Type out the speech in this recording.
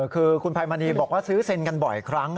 คือคุณภัยมณีบอกว่าซื้อเซ็นกันบ่อยครั้ง